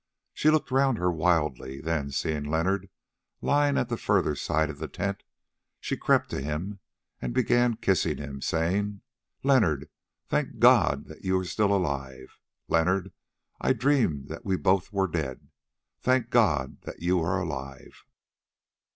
She looked round her wildly, then, seeing Leonard lying at the further side of the tent, she crept to him and began kissing him, saying: "Leonard! Thank God that you are still alive, Leonard! I dreamed that we both were dead. Thank God that you are alive!"